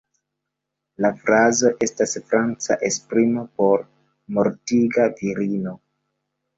La frazo estas franca esprimo por "mortiga virino".